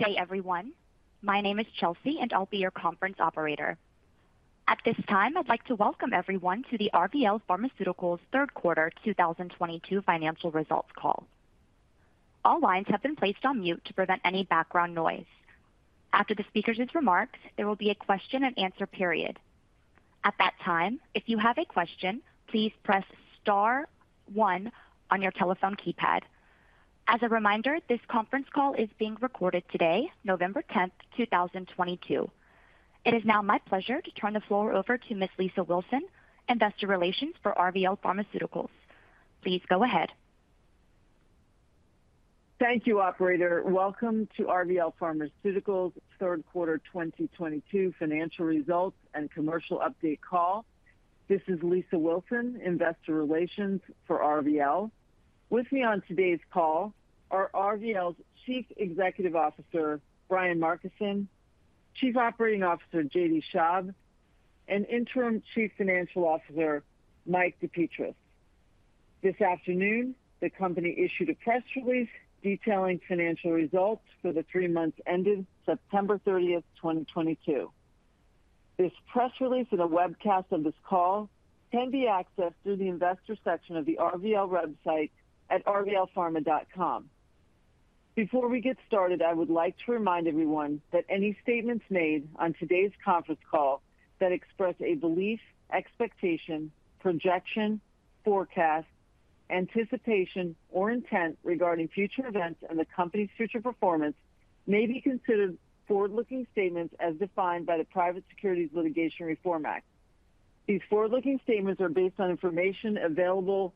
Good day, everyone. My name is Chelsea, and I'll be your conference operator. At this time, I'd like to welcome everyone to the RVL Pharmaceuticals' third quarter 2022 financial results call. All lines have been placed on mute to prevent any background noise. After the speakers' remarks, there will be a question and answer period. At that time, if you have a question, please press star one on your telephone keypad. As a reminder, this conference call is being recorded today, November 10, 2022. It is now my pleasure to turn the floor over to Ms. Lisa Wilson, Investor Relations for RVL Pharmaceuticals. Please go ahead. Thank you, operator. Welcome to RVL Pharmaceuticals third quarter 2022 financial results and commercial update call. This is Lisa Wilson, investor relations for RVL. With me on today's call are RVL's Chief Executive Officer, Brian Markison, Chief Operating Officer, J.D. Schaub, and Interim Chief Financial Officer, Mike DePetris. This afternoon, the company issued a press release detailing financial results for the three months ended September 30th, 2022. This press release and a webcast of this call can be accessed through the investor section of the RVL website at rvlpharma.com. Before we get started, I would like to remind everyone that any statements made on today's conference call that express a belief, expectation, projection, forecast, anticipation, or intent regarding future events and the company's future performance may be considered forward-looking statements as defined by the Private Securities Litigation Reform Act. These forward-looking statements are based on information available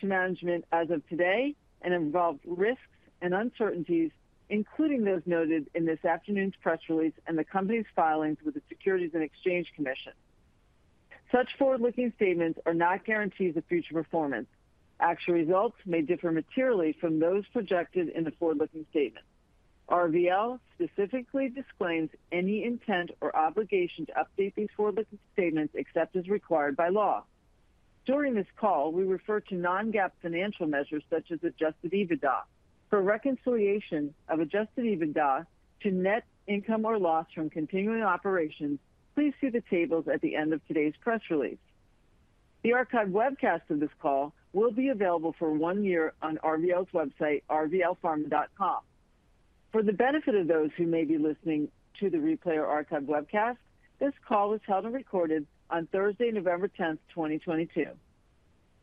to management as of today and involve risks and uncertainties, including those noted in this afternoon's press release and the company's filings with the Securities and Exchange Commission. Such forward-looking statements are not guarantees of future performance. Actual results may differ materially from those projected in the forward-looking statement. RVL specifically disclaims any intent or obligation to update these forward-looking statements except as required by law. During this call, we refer to non-GAAP financial measures such as adjusted EBITDA. For reconciliation of adjusted EBITDA to net income or loss from continuing operations, please see the tables at the end of today's press release. The archived webcast of this call will be available for one year on RVL's website, rvlpharma.com. For the benefit of those who may be listening to the replay or archived webcast, this call was held and recorded on Thursday, November 10th, 2022.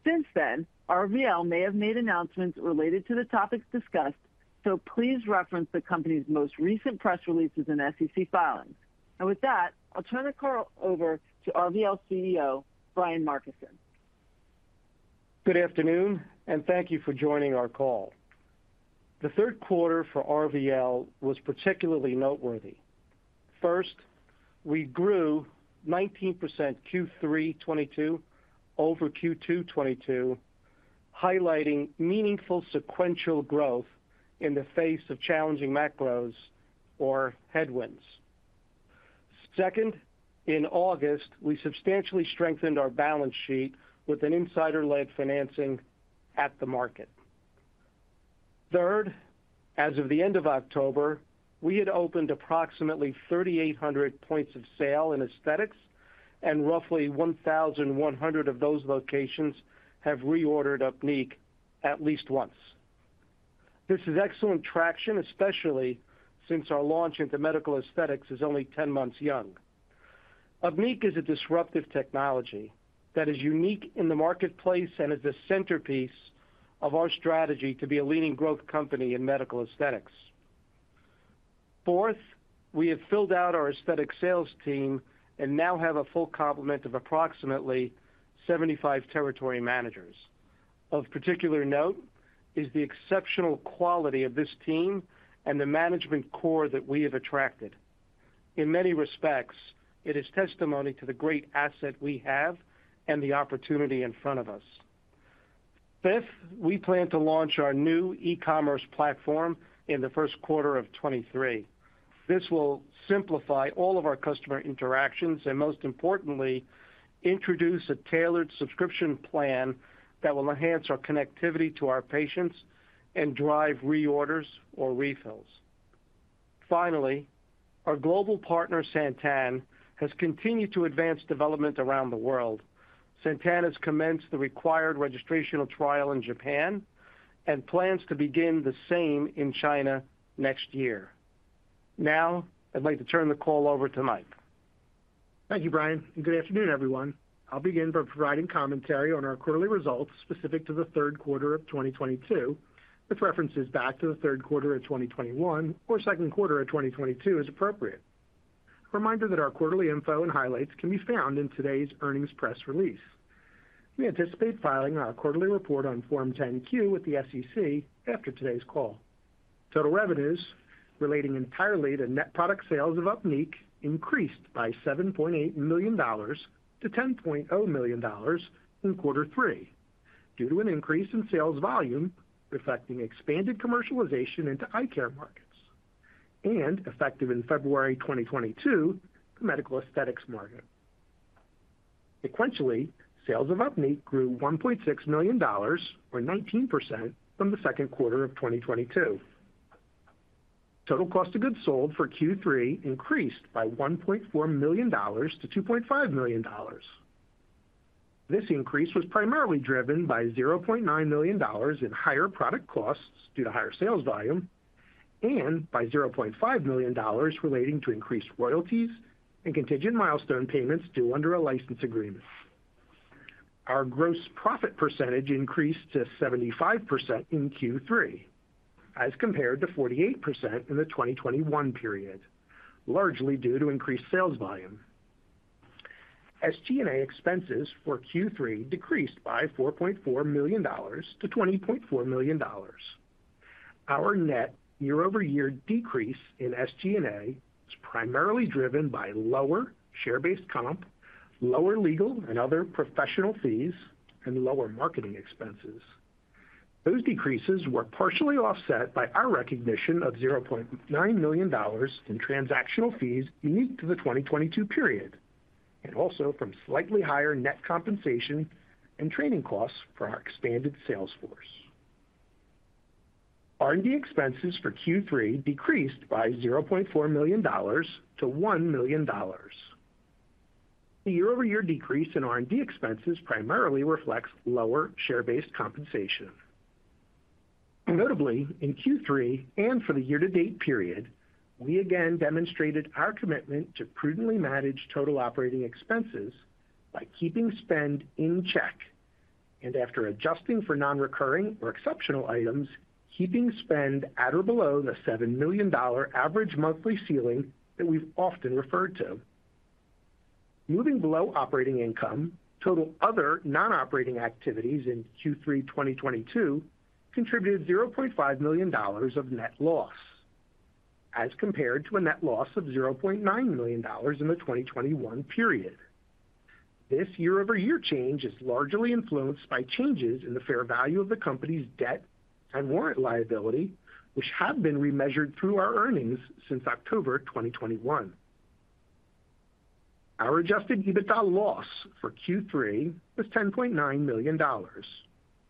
Since then, RVL may have made announcements related to the topics discussed, so please reference the company's most recent press releases and SEC filings. With that, I'll turn the call over to RVL's CEO, Brian Markison. Good afternoon, and thank you for joining our call. The third quarter for RVL was particularly noteworthy. First, we grew 19% Q3 2022 over Q2 2022, highlighting meaningful sequential growth in the face of challenging macros or headwinds. Second, in August, we substantially strengthened our balance sheet with an insider-led financing at the market. Third, as of the end of October, we had opened approximately 3,800 points of sale in aesthetics, and roughly 1,100 of those locations have reordered Upneeq at least once. This is excellent traction, especially since our launch into medical aesthetics is only 10 months young. Upneeq is a disruptive technology that is unique in the marketplace and is the centerpiece of our strategy to be a leading growth company in medical aesthetics. Fourth, we have filled out our aesthetics sales team and now have a full complement of approximately 75 territory managers. Of particular note is the exceptional quality of this team and the management core that we have attracted. In many respects, it is testimony to the great asset we have and the opportunity in front of us. Fifth, we plan to launch our new e-commerce platform in the first quarter of 2023. This will simplify all of our customer interactions and, most importantly, introduce a tailored subscription plan that will enhance our connectivity to our patients and drive reorders or refills. Finally, our global partner, Santen, has continued to advance development around the world. Santen has commenced the required registrational trial in Japan and plans to begin the same in China next year. Now, I'd like to turn the call over to Mike. Thank you, Brian, and good afternoon, everyone. I'll begin by providing commentary on our quarterly results specific to the third quarter of 2022, with references back to the third quarter of 2021 or second quarter of 2022 as appropriate. A reminder that our quarterly info and highlights can be found in today's earnings press release. We anticipate filing our quarterly report on Form 10-Q with the SEC after today's call. Total revenues relating entirely to net product sales of Upneeq increased by $7.8 million-$10.0 million in quarter three due to an increase in sales volume reflecting expanded commercialization into eye care markets and, effective in February 2022, the medical aesthetics market. Sequentially, sales of Upneeq grew $1.6 million or 19% from the second quarter of 2022. Total cost of goods sold for Q3 increased by $1.4 million-$2.5 million. This increase was primarily driven by $0.9 million in higher product costs due to higher sales volume and by $0.5 million relating to increased royalties and contingent milestone payments due under a license agreement. Our gross profit percentage increased to 75% in Q3 as compared to 48% in the 2021 period, largely due to increased sales volume. SG&A expenses for Q3 decreased by $4.4 million-$20.4 million. Our net year-over-year decrease in SG&A was primarily driven by lower share-based comp, lower legal and other professional fees, and lower marketing expenses. Those decreases were partially offset by our recognition of $0.9 million in transactional fees unique to the 2022 period, and also from slightly higher net compensation and training costs for our expanded sales force. R&D expenses for Q3 decreased by $0.4 million-$1 million. The year-over-year decrease in R&D expenses primarily reflects lower share-based compensation. Notably, in Q3 and for the year-to-date period, we again demonstrated our commitment to prudently manage total operating expenses by keeping spend in check and after adjusting for non-recurring or exceptional items, keeping spend at or below the $7 million average monthly ceiling that we've often referred to. Moving below operating income, total other non-operating activities in Q3 2022 contributed $0.5 million of net loss as compared to a net loss of $0.9 million in the 2021 period. This year-over-year change is largely influenced by changes in the fair value of the company's debt and warrant liability, which have been remeasured through our earnings since October 2021. Our adjusted EBITDA loss for Q3 was $10.9 million,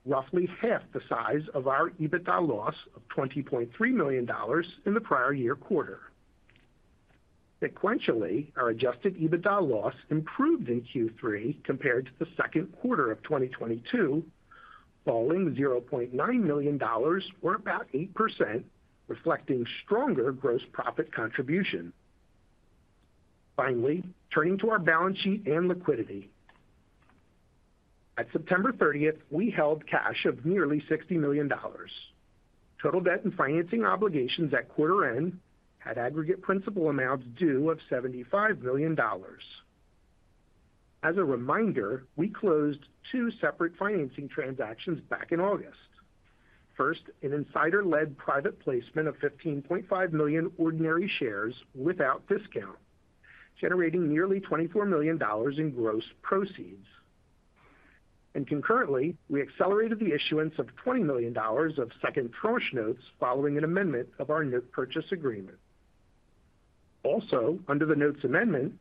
roughly half the size of our EBITDA loss of $20.3 million in the prior year quarter. Sequentially, our adjusted EBITDA loss improved in Q3 compared to the second quarter of 2022, falling $0.9 million or about 8%, reflecting stronger gross profit contribution. Finally, turning to our balance sheet and liquidity. At September 30th, we held cash of nearly $60 million. Total debt and financing obligations at quarter end had aggregate principal amounts due of $75 million. As a reminder, we closed two separate financing transactions back in August. First, an insider-led private placement of 15.5 million ordinary shares without discount, generating nearly $24 million in gross proceeds. Concurrently, we accelerated the issuance of $20 million of second tranche notes following an amendment of our note purchase agreement. Also, under the notes amendment,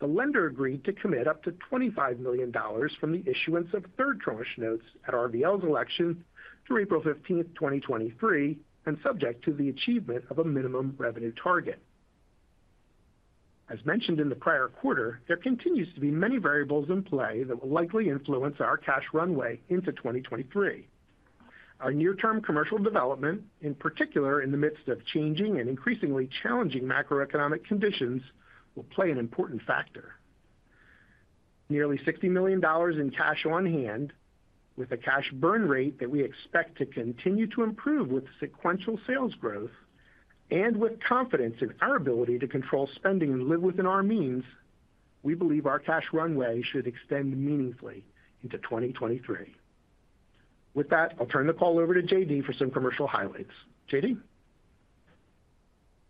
the lender agreed to commit up to $25 million for the issuance of third tranche notes at RVL's election through April 15, 2023, and subject to the achievement of a minimum revenue target. As mentioned in the prior quarter, there continues to be many variables in play that will likely influence our cash runway into 2023. Our near-term commercial development, in particular in the midst of changing and increasingly challenging macroeconomic conditions, will play an important factor. Nearly $60 million in cash on hand with a cash burn rate that we expect to continue to improve with sequential sales growth and with confidence in our ability to control spending and live within our means, we believe our cash runway should extend meaningfully into 2023. With that, I'll turn the call over to J.D. for some commercial highlights. J.D.?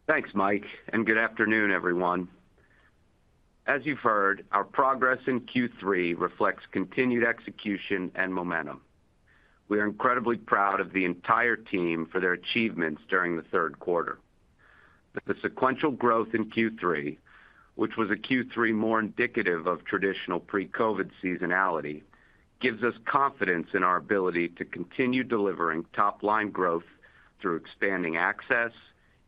Thanks, Mike, and good afternoon, everyone. As you've heard, our progress in Q3 reflects continued execution and momentum. We are incredibly proud of the entire team for their achievements during the third quarter. The sequential growth in Q3, which was a Q3 more indicative of traditional pre-COVID seasonality, gives us confidence in our ability to continue delivering top-line growth through expanding access,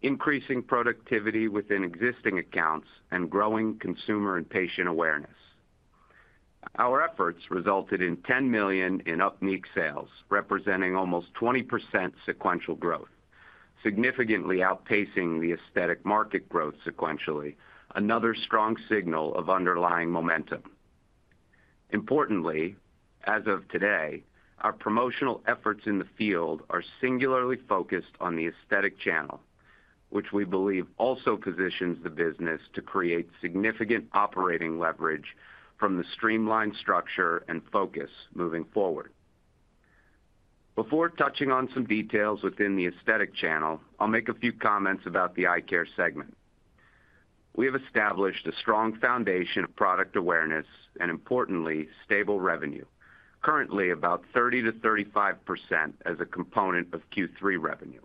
increasing productivity within existing accounts, and growing consumer and patient awareness. Our efforts resulted in $10 million in Upneeq sales, representing almost 20% sequential growth, significantly outpacing the aesthetic market growth sequentially, another strong signal of underlying momentum. Importantly, as of today, our promotional efforts in the field are singularly focused on the aesthetic channel, which we believe also positions the business to create significant operating leverage from the streamlined structure and focus moving forward. Before touching on some details within the aesthetic channel, I'll make a few comments about the eye care segment. We have established a strong foundation of product awareness and importantly, stable revenue, currently about 30%-35% as a component of Q3 revenue.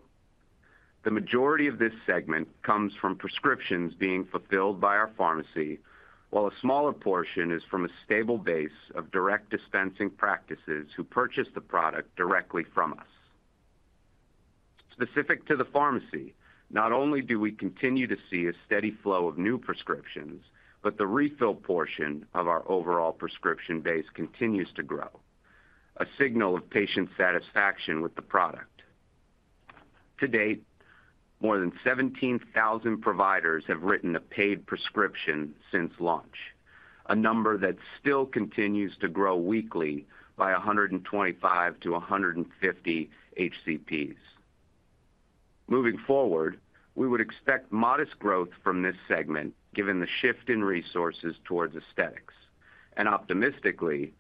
The majority of this segment comes from prescriptions being fulfilled by our pharmacy, while a smaller portion is from a stable base of direct dispensing practices who purchase the product directly from us. Specific to the pharmacy, not only do we continue to see a steady flow of new prescriptions, but the refill portion of our overall prescription base continues to grow. A signal of patient satisfaction with the product. To date, more than 17,000 providers have written a paid prescription since launch, a number that still continues to grow weekly by 125-150 HCPs. Moving forward, we would expect modest growth from this segment given the shift in resources towards aesthetics, and optimistically,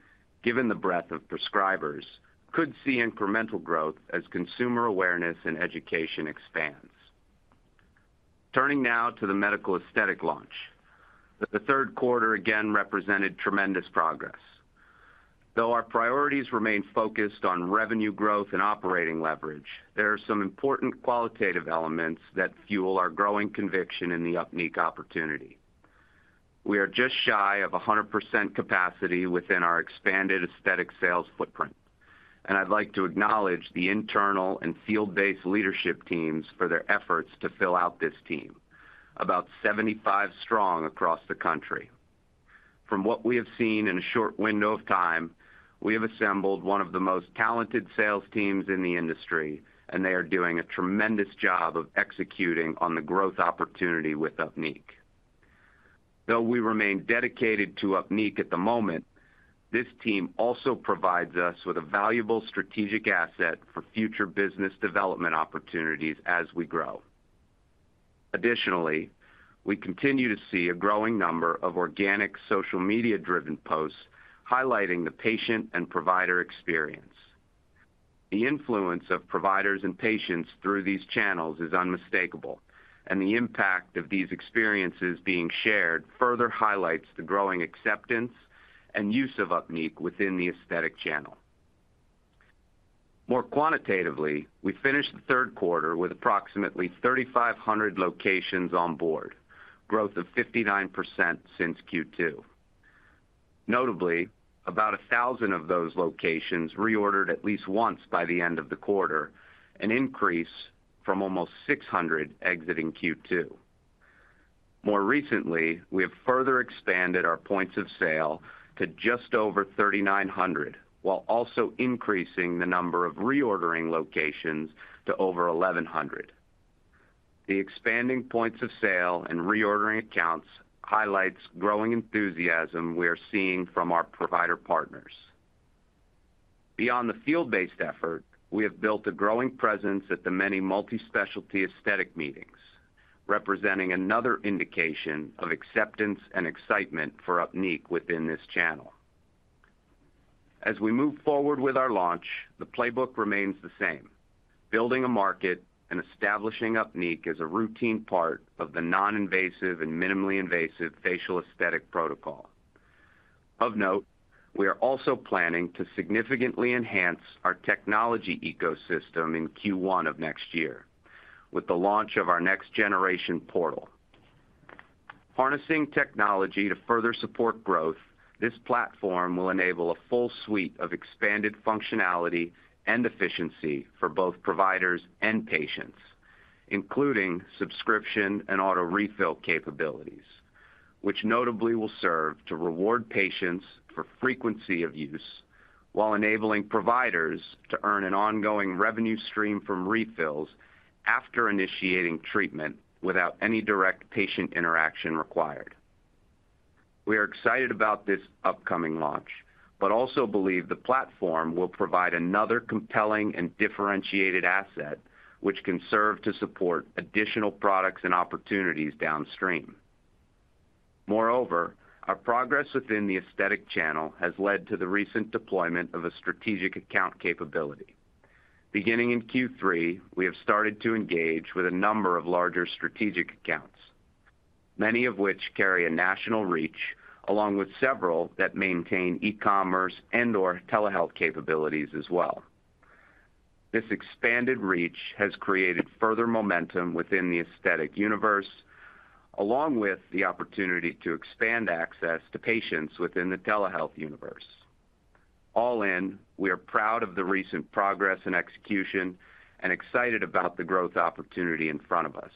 given the breadth of prescribers could see incremental growth as consumer awareness and education expands. Turning now to the medical aesthetic launch. The third quarter again represented tremendous progress. Though our priorities remain focused on revenue growth and operating leverage, there are some important qualitative elements that fuel our growing conviction in the Upneeq opportunity. We are just shy of 100% capacity within our expanded aesthetic sales footprint, and I'd like to acknowledge the internal and field-based leadership teams for their efforts to fill out this team. About 75 strong across the country. From what we have seen in a short window of time, we have assembled one of the most talented sales teams in the industry, and they are doing a tremendous job of executing on the growth opportunity with Upneeq. Though we remain dedicated to Upneeq at the moment, this team also provides us with a valuable strategic asset for future business development opportunities as we grow. Additionally, we continue to see a growing number of organic social media-driven posts highlighting the patient and provider experience. The influence of providers and patients through these channels is unmistakable, and the impact of these experiences being shared further highlights the growing acceptance and use of Upneeq within the aesthetic channel. More quantitatively, we finished the third quarter with approximately 3,500 locations on board, growth of 59% since Q2. Notably, about 1,000 of those locations reordered at least once by the end of the quarter, an increase from almost 600 exiting Q2. More recently, we have further expanded our points of sale to just over 3,900, while also increasing the number of reordering locations to over 1,100. The expanding points of sale and reordering accounts highlights growing enthusiasm we are seeing from our provider partners. Beyond the field-based effort, we have built a growing presence at the many multi-specialty aesthetic meetings, representing another indication of acceptance and excitement for Upneeq within this channel. As we move forward with our launch, the playbook remains the same, building a market and establishing Upneeq as a routine part of the non-invasive and minimally invasive facial aesthetic protocol. Of note, we are also planning to significantly enhance our technology ecosystem in Q1 of next year with the launch of our next generation portal. Harnessing technology to further support growth, this platform will enable a full suite of expanded functionality and efficiency for both providers and patients, including subscription and auto refill capabilities, which notably will serve to reward patients for frequency of use while enabling providers to earn an ongoing revenue stream from refills after initiating treatment without any direct patient interaction required. We are excited about this upcoming launch, but also believe the platform will provide another compelling and differentiated asset which can serve to support additional products and opportunities downstream. Moreover, our progress within the aesthetic channel has led to the recent deployment of a strategic account capability. Beginning in Q3, we have started to engage with a number of larger strategic accounts, many of which carry a national reach, along with several that maintain e-commerce and/or telehealth capabilities as well. This expanded reach has created further momentum within the aesthetic universe, along with the opportunity to expand access to patients within the telehealth universe. All in, we are proud of the recent progress and execution and excited about the growth opportunity in front of us.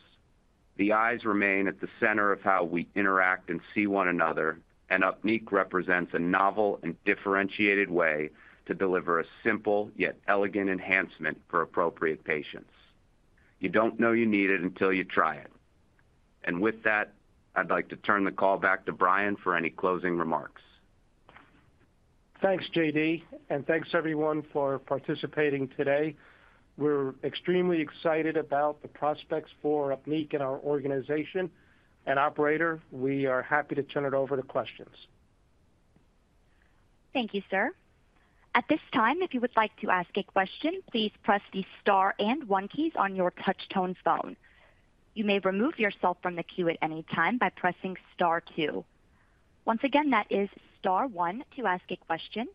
The eyes remain at the center of how we interact and see one another, and Upneeq represents a novel and differentiated way to deliver a simple yet elegant enhancement for appropriate patients. You don't know you need it until you try it. With that, I'd like to turn the call back to Brian for any closing remarks. Thanks, JD, and thanks everyone for participating today. We're extremely excited about the prospects for Upneeq in our organization. Operator, we are happy to turn it over to questions. Thank you, sir. At this time, if you would like to ask a question, please press the star and one keys on your touch-tone phone. You may remove yourself from the queue at any time by pressing star two. Once again, that is star one to ask a question.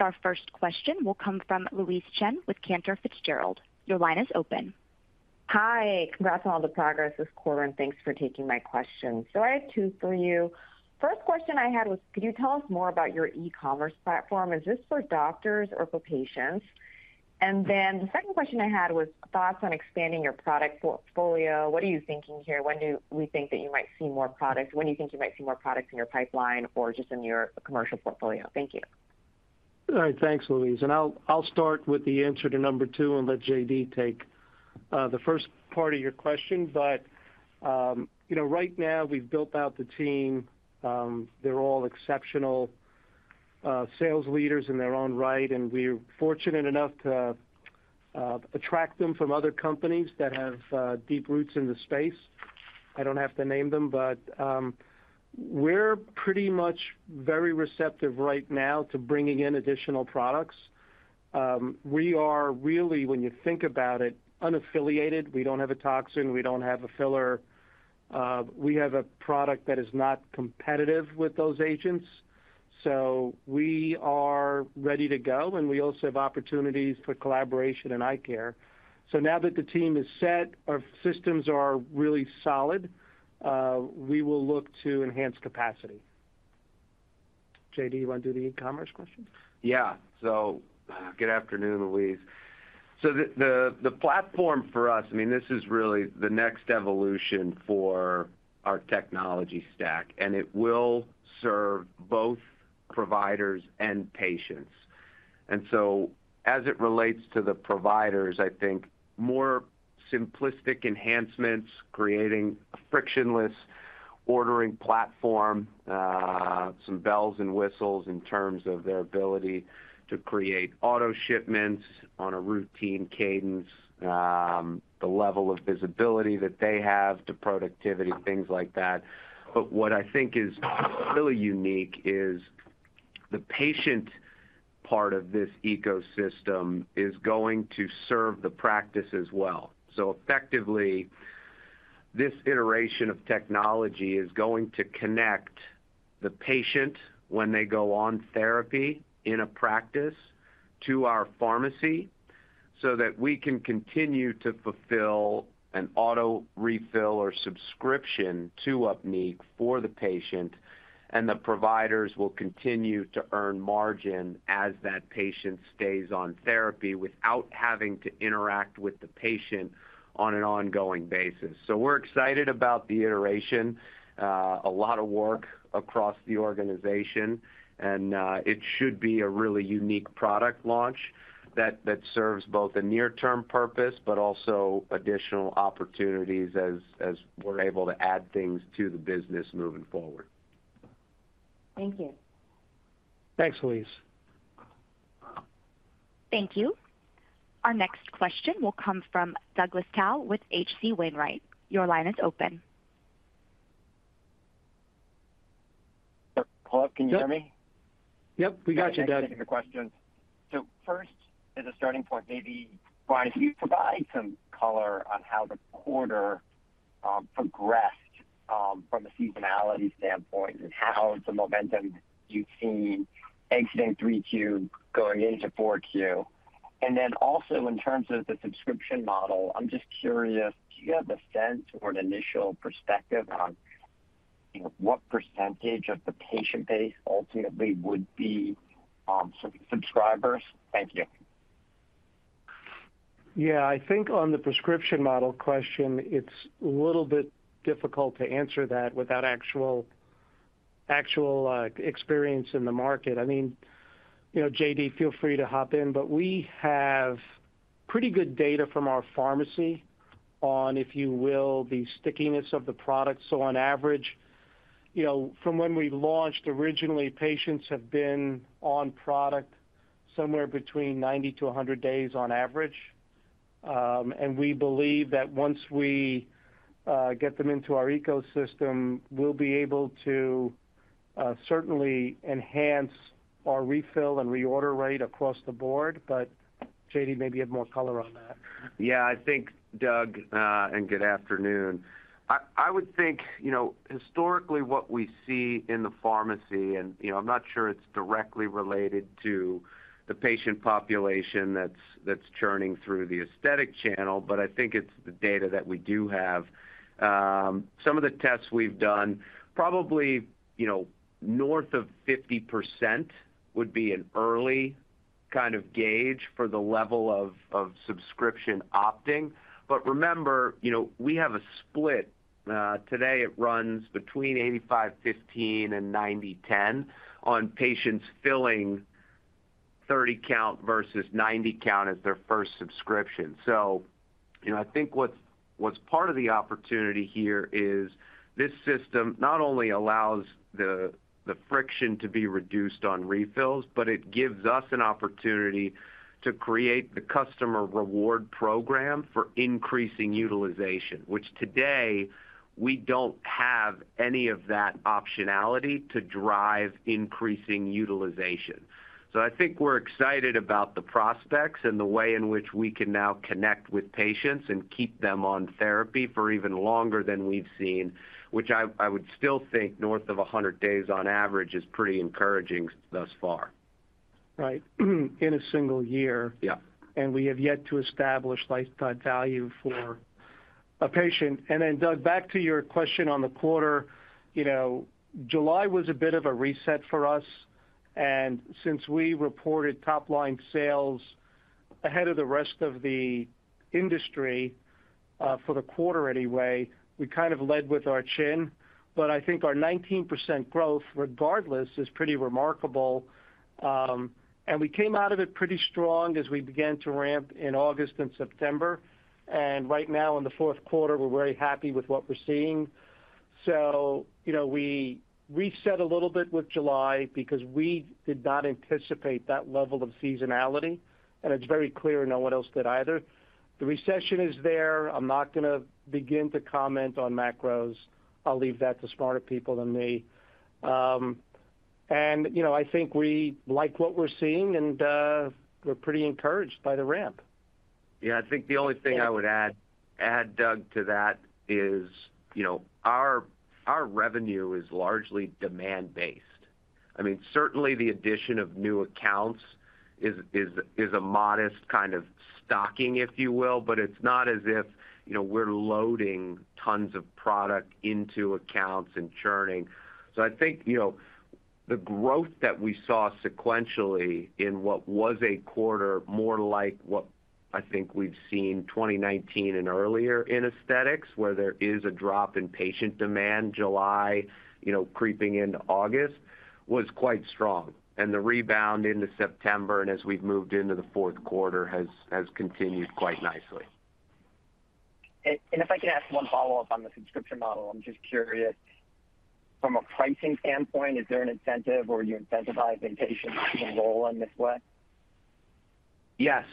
Our first question will come from Louise Chen with Cantor Fitzgerald. Your line is open. Hi. Congrats on all the progress this quarter, and thanks for taking my questions. I have two for you. First question I had was, could you tell us more about your e-commerce platform? Is this for doctors or for patients? The second question I had was thoughts on expanding your product portfolio. What are you thinking here? When do we think that you might see more products? When do you think you might see more products in your pipeline or just in your commercial portfolio? Thank you. All right. Thanks, Louise. I'll start with the answer to number two and let JD take the first part of your question. You know, right now we've built out the team. They're all exceptional sales leaders in their own right, and we're fortunate enough to attract them from other companies that have deep roots in the space. I don't have to name them, but we're pretty much very receptive right now to bringing in additional products. We are really, when you think about it, unaffiliated. We don't have a toxin. We don't have a filler. We have a product that is not competitive with those agents, so we are ready to go, and we also have opportunities for collaboration in eye care. Now that the team is set, our systems are really solid, we will look to enhance capacity. JD, you want to do the e-commerce question? Yeah. Good afternoon, Louise. The platform for us, I mean, this is really the next evolution for our technology stack, and it will serve both providers and patients. As it relates to the providers, I think more simplistic enhancements, creating a frictionless ordering platform, some bells and whistles in terms of their ability to create auto shipments on a routine cadence, the level of visibility that they have to productivity, things like that. But what I think is really unique is the patient part of this ecosystem is going to serve the practice as well. Effectively, this iteration of technology is going to connect the patient when they go on therapy in a practice to our pharmacy so that we can continue to fulfill an auto refill or subscription to Upneeq for the patient, and the providers will continue to earn margin as that patient stays on therapy without having to interact with the patient on an ongoing basis. We're excited about the iteration. A lot of work across the organization, and it should be a really unique product launch that serves both a near-term purpose but also additional opportunities as we're able to add things to the business moving forward. Thank you. Thanks, Louise. Thank you. Our next question will come from Douglas Tsao with H.C. Wainwright. Your line is open. Hello? Can you hear me? Yep. We got you, Doug. I'm just checking the questions. First, as a starting point, maybe, Brian, can you provide some color on how the quarter progressed from a seasonality standpoint and how the momentum you've seen exiting 3Q going into 4Q. Then also in terms of the subscription model, I'm just curious, do you have a sense or an initial perspective on, you know, what percentage of the patient base ultimately would be subscribers? Thank you. Yeah. I think on the prescription model question, it's a little bit difficult to answer that without actual experience in the market. I mean, you know, JD, feel free to hop in, but we have pretty good data from our pharmacy on, if you will, the stickiness of the product. On average, you know, from when we launched originally, patients have been on product somewhere between 90-100 days on average. We believe that once we get them into our ecosystem, we'll be able to certainly enhance our refill and reorder rate across the board. JD, maybe you have more color on that. Yeah. I think, Doug, good afternoon. I would think, you know, historically what we see in the pharmacy, you know, I'm not sure it's directly related to the patient population that's churning through the aesthetic channel, but I think it's the data that we do have. Some of the tests we've done, probably, you know, north of 50% would be an early kind of gauge for the level of subscription opting. But remember, you know, we have a split. Today it runs between 85/15 and 90/10 on patients filling 30 count versus 90 count as their first subscription. You know, I think what's part of the opportunity here is this system not only allows the friction to be reduced on refills, but it gives us an opportunity to create the customer reward program for increasing utilization, which today we don't have any of that optionality to drive increasing utilization. I think we're excited about the prospects and the way in which we can now connect with patients and keep them on therapy for even longer than we've seen, which I would still think north of 100 days on average is pretty encouraging thus far. Right. In a single year. Yeah. We have yet to establish lifetime value for a patient. Doug, back to your question on the quarter. You know, July was a bit of a reset for us, and since we reported top line sales ahead of the rest of the industry, for the quarter anyway, we kind of led with our chin. I think our 19% growth regardless, is pretty remarkable. We came out of it pretty strong as we began to ramp in August and September. Right now in the fourth quarter, we're very happy with what we're seeing. You know, we reset a little bit with July because we did not anticipate that level of seasonality, and it's very clear no one else did either. The recession is there. I'm not gonna begin to comment on macros. I'll leave that to smarter people than me. you know, I think we like what we're seeing and we're pretty encouraged by the ramp. Yeah. I think the only thing I would add, Doug, to that is, you know, our revenue is largely demand-based. I mean, certainly the addition of new accounts is a modest kind of stocking, if you will, but it's not as if, you know, we're loading tons of product into accounts and churning. So I think, you know, the growth that we saw sequentially in what was a quarter more like what I think we've seen 2019 and earlier in aesthetics, where there is a drop in patient demand, July, you know, creeping into August, was quite strong. The rebound into September and as we've moved into the fourth quarter has continued quite nicely. If I can ask one follow-up on the subscription model? I'm just curious from a pricing standpoint, is there an incentive or you incentivize patients to enroll in this way? Yes.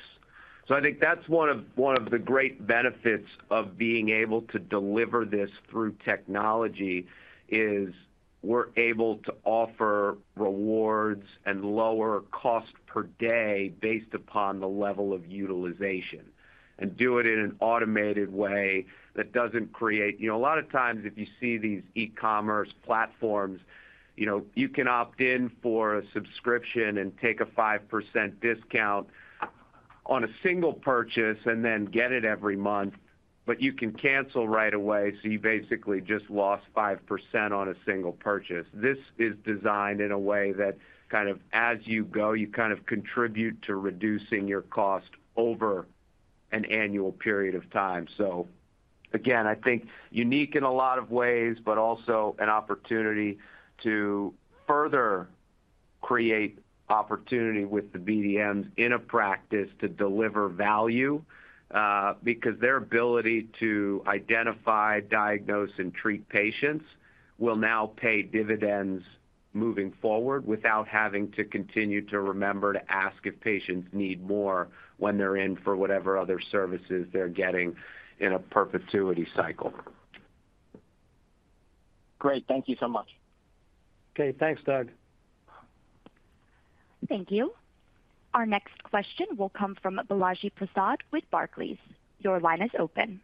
I think that's one of the great benefits of being able to deliver this through technology, is we're able to offer rewards and lower cost per day based upon the level of utilization and do it in an automated way that doesn't create. You know, a lot of times if you see these e-commerce platforms, you know, you can opt in for a subscription and take a 5% discount on a single purchase and then get it every month, but you can cancel right away, so you basically just lost 5% on a single purchase. This is designed in a way that kind of as you go, you kind of contribute to reducing your cost over an annual period of time. Again, I think unique in a lot of ways, but also an opportunity to further create opportunity with the BDMs in a practice to deliver value, because their ability to identify, diagnose, and treat patients will now pay dividends moving forward without having to continue to remember to ask if patients need more when they're in for whatever other services they're getting in a perpetuity cycle. Great. Thank you so much. Okay, thanks, Doug. Thank you. Our next question will come from Balaji Prasad with Barclays. Your line is open.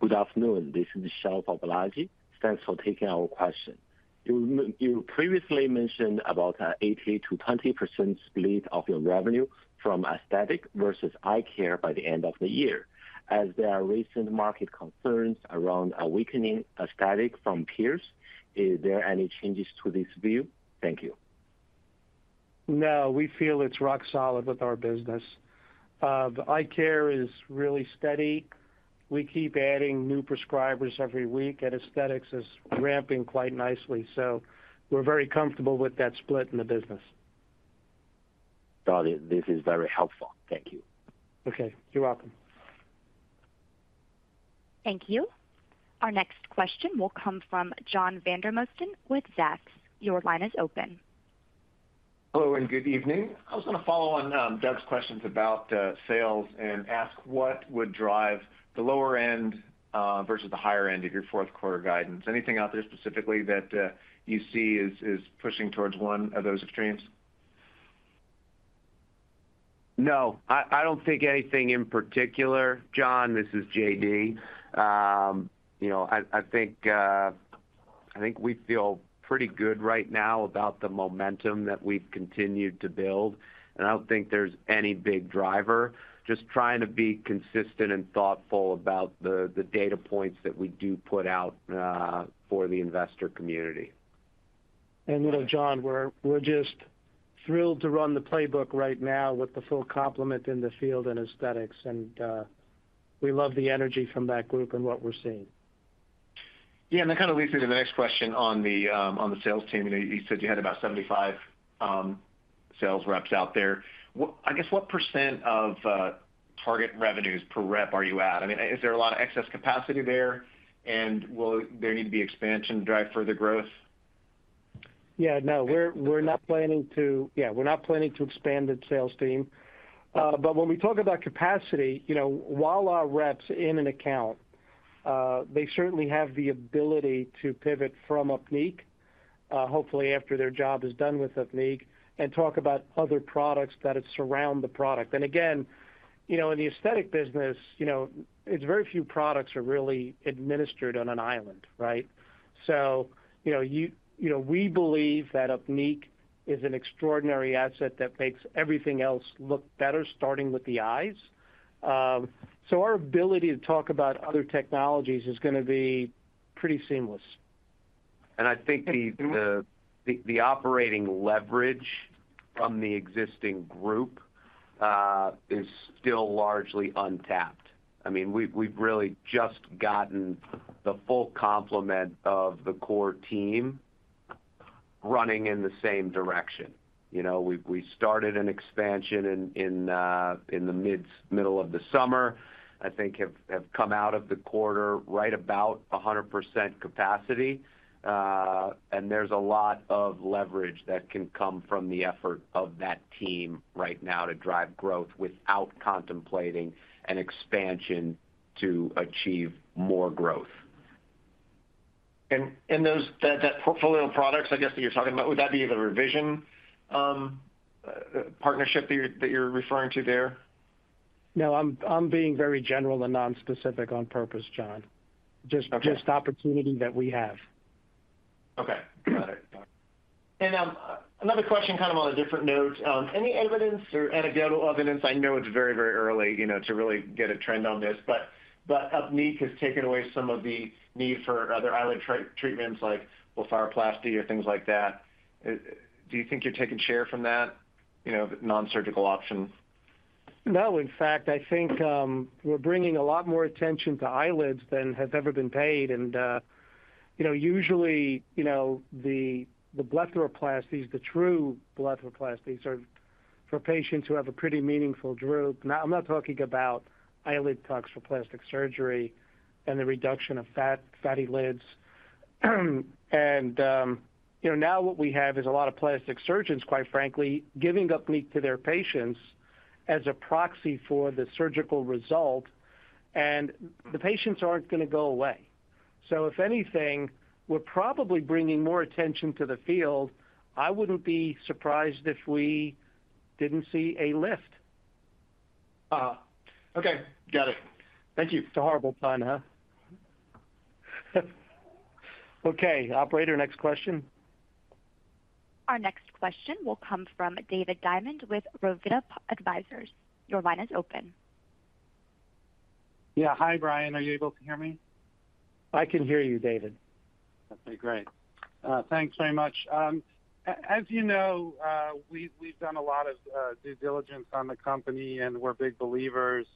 Good afternoon. This is Shal for Balaji. Thanks for taking our question. You previously mentioned about an 80%-20% split of your revenue from aesthetic versus eye care by the end of the year. As there are recent market concerns around a weakening aesthetic from peers, is there any changes to this view? Thank you. No, we feel it's rock solid with our business. The eye care is really steady. We keep adding new prescribers every week, and aesthetics is ramping quite nicely. We're very comfortable with that split in the business. Got it. This is very helpful. Thank you. Okay. You're welcome. Thank you. Our next question will come from John Vandermosten with Zacks. Your line is open. Hello and good evening. I was gonna follow on, Doug's questions about, sales and ask what would drive the lower end, versus the higher end of your fourth quarter guidance. Anything out there specifically that, you see is pushing towards one of those extremes? No, I don't think anything in particular. John, this is JD. You know, I think we feel pretty good right now about the momentum that we've continued to build, and I don't think there's any big driver. Just trying to be consistent and thoughtful about the data points that we do put out for the investor community. You know, John, we're just thrilled to run the playbook right now with the full complement in the field and aesthetics, and we love the energy from that group and what we're seeing. Yeah, that kind of leads me to the next question on the sales team. You know, you said you had about 75 sales reps out there. I guess, what percent of target revenues per rep are you at? I mean, is there a lot of excess capacity there, and will there need to be expansion to drive further growth? Yeah, we're not planning to expand the sales team. When we talk about capacity, you know, while our reps in an account, they certainly have the ability to pivot from Upneeq, hopefully after their job is done with Upneeq and talk about other products that surround the product. Again, you know, in the aesthetic business, you know, it's very few products are really administered on an island, right? You know, we believe that Upneeq is an extraordinary asset that makes everything else look better, starting with the eyes. Our ability to talk about other technologies is gonna be pretty seamless. I think the operating leverage from the existing group is still largely untapped. I mean, we've really just gotten the full complement of the core team running in the same direction. You know, we started an expansion in the middle of the summer. I think we have come out of the quarter right about 100% capacity. There's a lot of leverage that can come from the effort of that team right now to drive growth without contemplating an expansion to achieve more growth. that portfolio of products, I guess, that you're talking about, would that be the RVL Santen partnership that you're referring to there? No, I'm being very general and nonspecific on purpose, John. Okay. Just opportunity that we have. Okay. Got it. Another question, kind of on a different note. Any evidence or anecdotal evidence, I know it's very, very early, you know, to really get a trend on this, but Upneeq has taken away some of the need for other eyelid treatments like blepharoplasty or things like that. Do you think you're taking share from that, you know, nonsurgical options? No. In fact, I think, we're bringing a lot more attention to eyelids than has ever been paid. You know, usually, you know, the blepharoplasties, the true blepharoplasties are for patients who have a pretty meaningful droop. Now, I'm not talking about eyelid BOTOX for plastic surgery and the reduction of fat, fatty lids. You know, now what we have is a lot of plastic surgeons, quite frankly, giving Upneeq to their patients as a proxy for the surgical result, and the patients aren't gonna go away. If anything, we're probably bringing more attention to the field. I wouldn't be surprised if we didn't see a lift. Okay. Got it. Thank you. It's a horrible pun, huh? Okay, operator, next question. Our next question will come from David Diamond with Rovida Advisors. Your line is open. Yeah. Hi, Brian. Are you able to hear me? I can hear you, David. Okay, great. Thanks very much. As you know, we've done a lot of due diligence on the company, and we're big believers,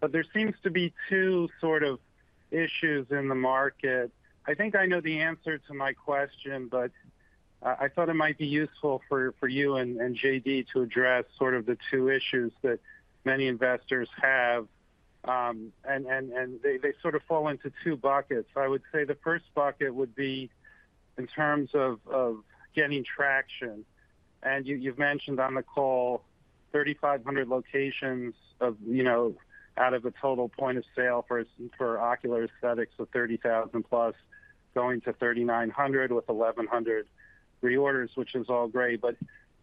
but there seems to be two sort of issues in the market. I think I know the answer to my question, but I thought it might be useful for you and JD to address sort of the two issues that many investors have. They sort of fall into two buckets. I would say the first bucket would be in terms of getting traction. You've mentioned on the call 3,500 locations, you know, out of a total point of sale for ocular aesthetics of 30,000+ going to 3,900 with 1,100 reorders, which is all great.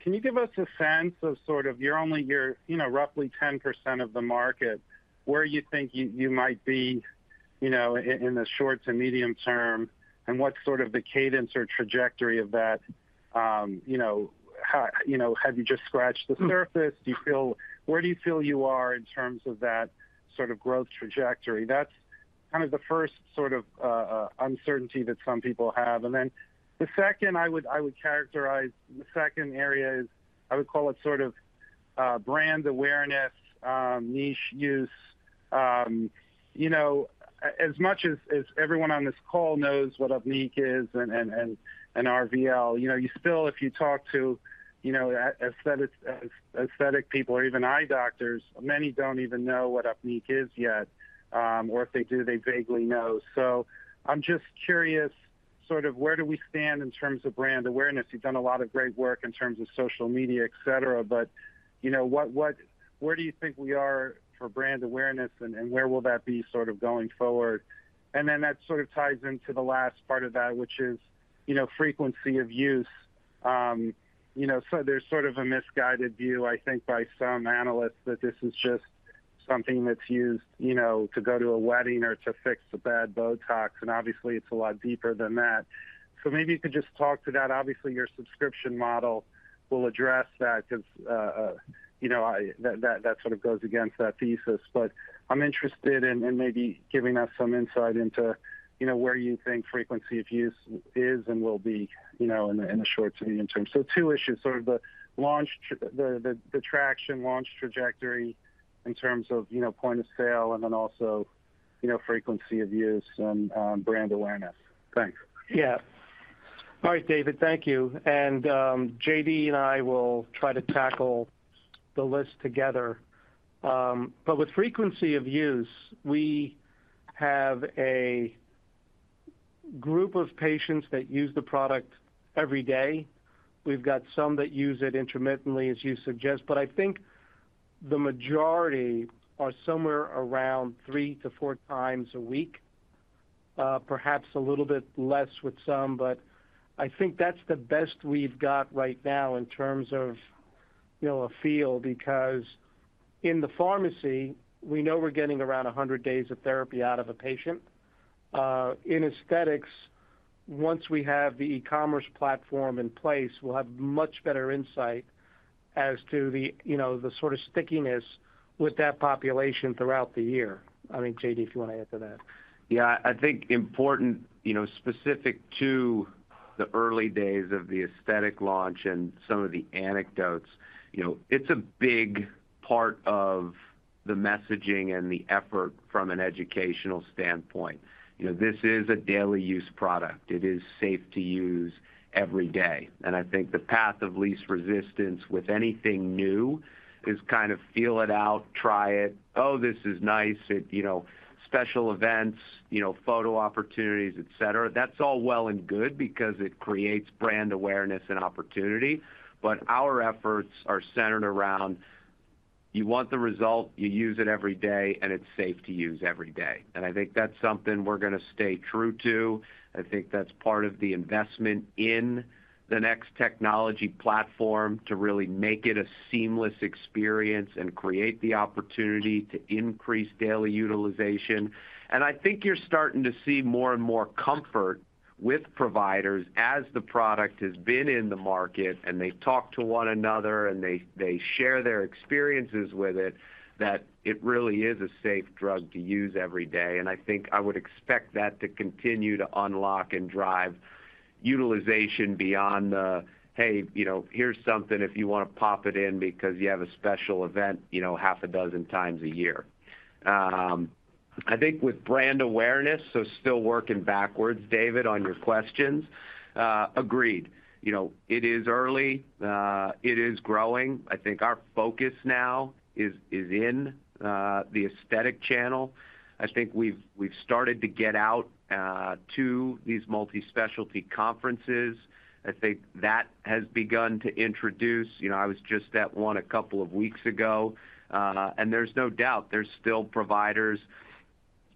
Can you give us a sense of sort of you're only, you know, roughly 10% of the market, where you think you might be, you know, in the short to medium term, and what's sort of the cadence or trajectory of that? You know, how have you just scratched the surface? Where do you feel you are in terms of that sort of growth trajectory? That's kind of the first sort of uncertainty that some people have. The second I would characterize, the second area is, I would call it sort of brand awareness, niche use. As much as everyone on this call knows what Upneeq is and RVL, you know, you still, if you talk to, you know, aesthetic people or even eye doctors, many don't even know what Upneeq is yet. Or if they do, they vaguely know. I'm just curious, sort of where do we stand in terms of brand awareness. You've done a lot of great work in terms of social media, et cetera, but, you know, where do you think we are for brand awareness and where will that be sort of going forward. Then that sort of ties into the last part of that, which is, you know, frequency of use. You know, there's sort of a misguided view, I think, by some analysts that this is just something that's used, you know, to go to a wedding or to fix a bad BOTOX, and obviously it's a lot deeper than that. Maybe you could just talk to that. Obviously, your subscription model will address that 'cause you know, that sort of goes against that thesis. I'm interested in maybe giving us some insight into, you know, where you think frequency of use is and will be, you know, in the short to medium term. Two issues, sort of the traction launch trajectory in terms of, you know, point of sale, and then also, you know, frequency of use and brand awareness. Thanks. Yeah. All right, David, thank you. J.D. and I will try to tackle the list together. With frequency of use, we have a group of patients that use the product every day. We've got some that use it intermittently, as you suggest. The majority are somewhere around 3x-4x a week, perhaps a little bit less with some, but I think that's the best we've got right now in terms of, you know, a feel. Because in the pharmacy, we know we're getting around 100 days of therapy out of a patient. In aesthetics, once we have the e-commerce platform in place, we'll have much better insight as to the, you know, the sort of stickiness with that population throughout the year. I think, J.D., if you wanna add to that. Yeah. I think important, you know, specific to the early days of the aesthetic launch and some of the anecdotes, you know, it's a big part of the messaging and the effort from an educational standpoint. You know, this is a daily use product. It is safe to use every day. I think the path of least resistance with anything new is kind of feel it out, try it. "Oh, this is nice." It, you know, special events, you know, photo opportunities, et cetera, that's all well and good because it creates brand awareness and opportunity. Our efforts are centered around you want the result, you use it every day, and it's safe to use every day. I think that's something we're gonna stay true to. I think that's part of the investment in the next technology platform to really make it a seamless experience and create the opportunity to increase daily utilization. I think you're starting to see more and more comfort with providers as the product has been in the market and they talk to one another and they share their experiences with it, that it really is a safe drug to use every day. I think I would expect that to continue to unlock and drive utilization beyond the, "Hey, you know, here's something if you wanna pop it in because you have a special event, you know, half a dozen times a year." I think with brand awareness, so still working backwards, David, on your questions, agreed. You know, it is early. It is growing. I think our focus now is in the aesthetic channel. I think we've started to get out to these multi-specialty conferences. I think that has begun to introduce. You know, I was just at one a couple of weeks ago, and there's no doubt there's still providers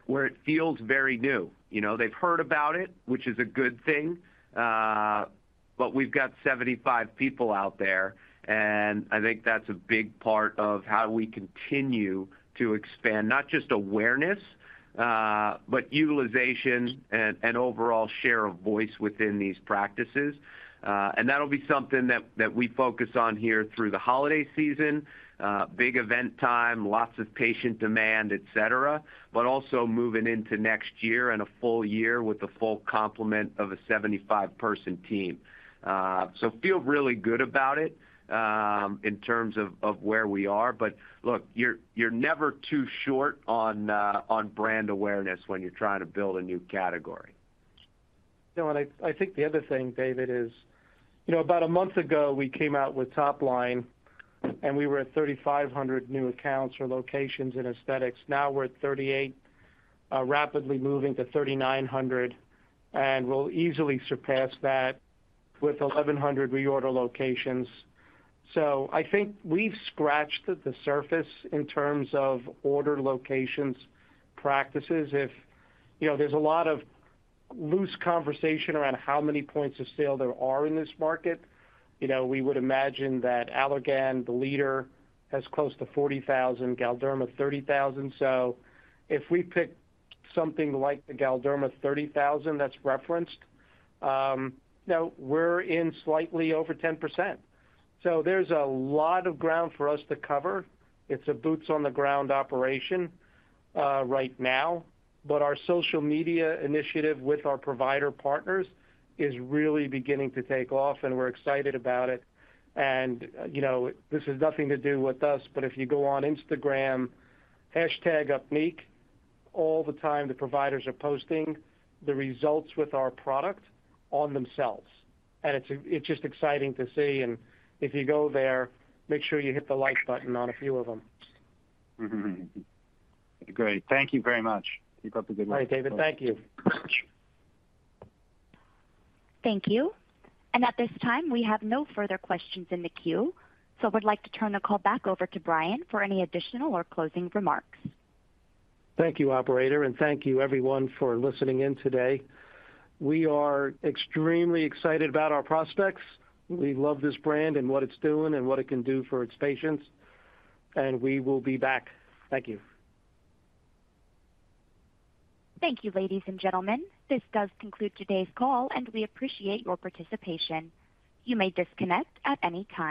where it feels very new. You know, they've heard about it, which is a good thing, but we've got 75 people out there, and I think that's a big part of how we continue to expand not just awareness, but utilization and overall share of voice within these practices. And that'll be something that we focus on here through the holiday season, big event time, lots of patient demand, et cetera, but also moving into next year and a full year with a full complement of a 75-person team. feel really good about it in terms of where we are. Look, you're never too short on brand awareness when you're trying to build a new category. No, I think the other thing, David, is, you know, about a month ago, we came out with top line, and we were at 3,500 new accounts or locations in aesthetics. Now we're at 3,800, rapidly moving to 3,900, and we'll easily surpass that with 1,100 reorder locations. I think we've scratched the surface in terms of order locations, practices. You know, there's a lot of loose conversation around how many points of sale there are in this market. You know, we would imagine that Allergan, the leader, has close to 40,000, Galderma 30,000. If we pick something like the Galderma 30,000 that's referenced, now we're in slightly over 10%. There's a lot of ground for us to cover. It's a boots-on-the-ground operation, right now. Our social media initiative with our provider partners is really beginning to take off, and we're excited about it. You know, this has nothing to do with us, but if you go on Instagram, #Upneeq, all the time the providers are posting the results with our product on themselves. It's just exciting to see. If you go there, make sure you hit the like button on a few of them. Great. Thank you very much. You got the good one. All right, David. Thank you. Thank you. At this time, we have no further questions in the queue, so would like to turn the call back over to Brian for any additional or closing remarks. Thank you, operator, and thank you everyone for listening in today. We are extremely excited about our prospects. We love this brand and what it's doing and what it can do for its patients, and we will be back. Thank you. Thank you, ladies and gentlemen. This does conclude today's call, and we appreciate your participation. You may disconnect at any time.